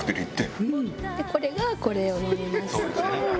でこれがこれを飲みますと。